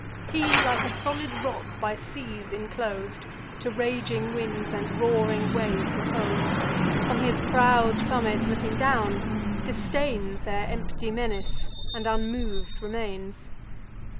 He, like a solid rock by seas inclos'd, To raging winds and roaring waves oppos'd, From his proud summit looking down, disdains Their empty menace, and unmov'd remains.